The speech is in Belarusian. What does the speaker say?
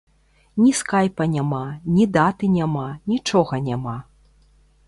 Ні скайпа няма, ні даты няма, нічога няма.